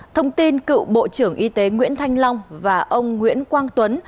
thông tin cựu bộ trưởng y tế nguyễn thanh long và ông nguyễn quang tuấn